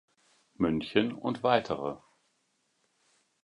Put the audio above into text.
München und weitere.